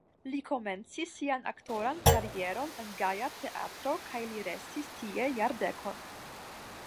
Li komencis sian aktoran karieron en Gaja Teatro kaj li restis tie jardekon.